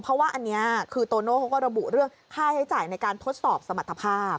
เพราะว่าอันนี้คือโตโน่เขาก็ระบุเรื่องค่าใช้จ่ายในการทดสอบสมรรถภาพ